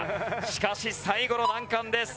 しかし最後の難関です。